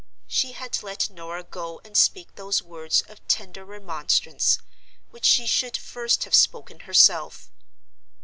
She had let Norah go and speak those words of tender remonstrance, which she should first have spoken herself.